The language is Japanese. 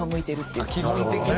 基本的にね。